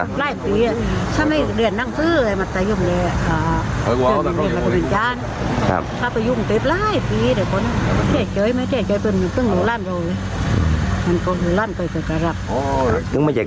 แปลกเอียดถ้าไม้เดือนนั่งซื่อมันจะยุ่มแยกมันจะบินจาน